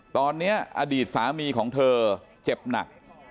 ตอนนี้อดีตสามีของเธอเจ็บหนัก